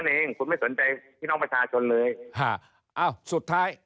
เองคุณไม่สนใจพี่น้องประชาชนเลยฮะอ้าวสุดท้าย